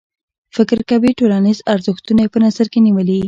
فکر کوي ټولنیز ارزښتونه یې په نظر کې نیولي.